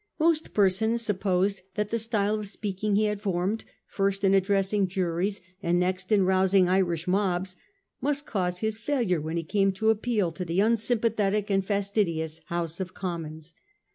Most persons supposed that the style of speaking he had formed, first in addressing juries, and next in rousing Irish mobs, must cause his failure when he came to appeal to the unsympathetic and fastidious House of Commons.